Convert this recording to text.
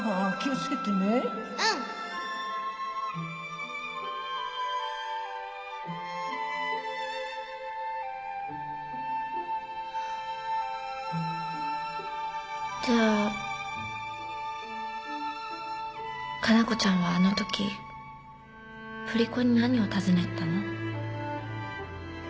うんじゃあ加奈子ちゃんはあのとき振り子に何を尋ねてたの？